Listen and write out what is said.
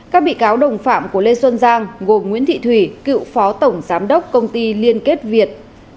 các bị cáo đồng phạm của lê xuân giang gồm nguyễn thị thủy cựu phó tổng giám đốc công ty liên kết việt